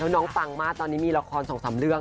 แล้วน้องปังมาตอนนี้มีละครสองสามเรื่อง